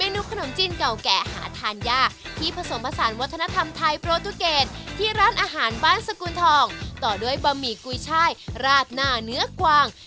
นุขนมจีนเก่าแก่หาทานยากที่ผสมผสานวัฒนธรรมไทยโปรตุเกตที่ร้านอาหารบ้านสกุลทองต่อด้วยบะหมี่กุยช่ายราดหน้าเนื้อกวาง